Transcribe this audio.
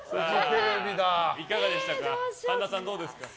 神田さん、どうですか。